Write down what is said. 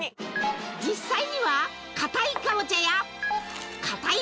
実際にはかたいカボチャやかたい